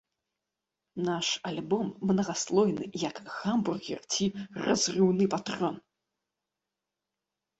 Наш альбом мнагаслойны, як гамбургер ці разрыўны патрон!